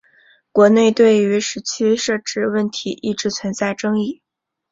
国内对于时区设置问题一直存在争议。